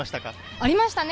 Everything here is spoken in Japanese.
ありました。